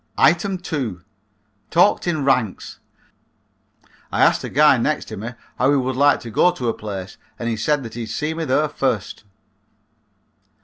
Item two: Talked in ranks. I asked the guy next to me how he would like to go to a place and he said that he'd see me there first.